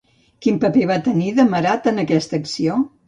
Quin paper va tenir, Demarat, en aquesta acció?